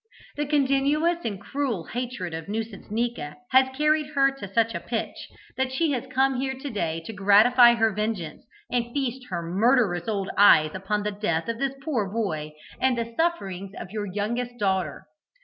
The continuous and cruel hatred of Nuisancenika has carried her to such a pitch, that she has come here to day to gratify her vengeance, and feast her murderous old eyes upon the death of this poor boy, and the sufferings of your youngest daughter.